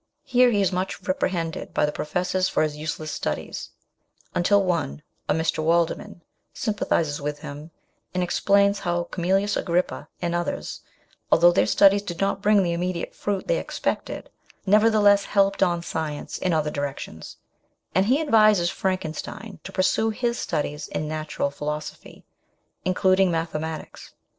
Here he is much reprehended by the professors for his useless studies, until one, a Mr. Waldeman, sympathises with him, and explains how Cornelius Agrippa and others, although their studies did not bring the immediate fruit they expected, nevertheless helped on science in other directions, and he advises Frankenstein to pursue his studies in natural philosophy, including mathe matics.